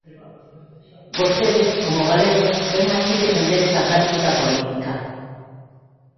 Vostede, como galego, vén aquí defender esa práctica política.